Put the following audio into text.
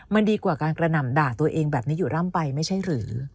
มันดีกว่าการกระหน่ำด่าตัวเองแบบนี้อยู่ร่ำไปไม่ใช่หรือ